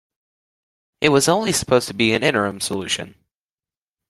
It was only supposed to be an interim solution.